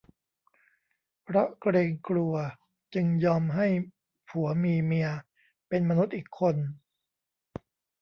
เพราะเกรงกลัวจึงต้องยอมให้ผัวมีเมียเป็นมนุษย์อีกคน